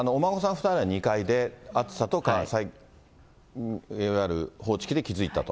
２人は２階で、熱さと火災報知器で気付いたと。